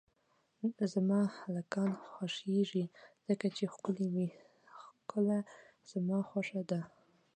زما هلکان خوښیږی ځکه چی ښکلی وی ښکله زما خوشه ده